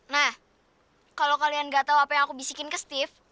nah kalau kalian gak tahu apa yang aku bisikin ke steve